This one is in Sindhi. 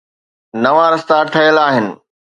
نوان رستا ٺهيل آهن.